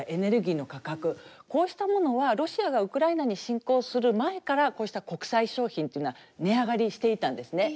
こうしたものはロシアがウクライナに侵攻する前からこうした国際商品っていうのは値上がりしていたんですね。